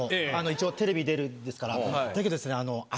一応テレビ出るんですからだけどですね。